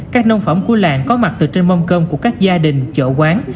các nông phẩm của làng có mặt từ trên mâm cơm của các gia đình chợ quán